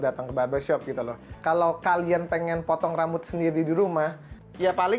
datang ke barbershop gitu loh kalau kalian pengen potong rambut sendiri di rumah ya paling